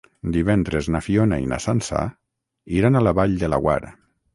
Divendres na Fiona i na Sança iran a la Vall de Laguar.